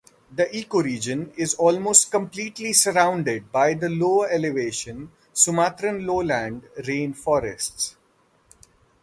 The ecoregion is almost completely surrounded by the lower elevation Sumatran lowland rain forests.